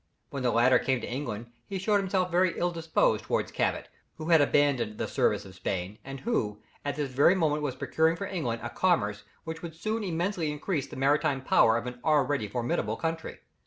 When the latter came to England he showed himself very ill disposed towards Cabot, who had abandoned the service of Spain, and who, at this very moment was procuring for England a commerce which would soon immensely increase the maritime power of an already formidable country.